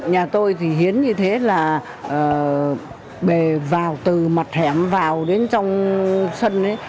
nhà tôi thì hiến như thế là bề vào từ mặt hẻm vào đến trong sân